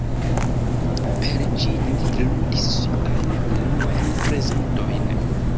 Per ĝi li ludis siajn unuajn prezentojn.